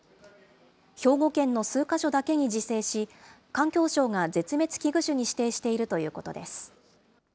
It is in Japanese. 兵庫県の数か所だけに自生し、環境省が絶滅危惧種に指定しているということです。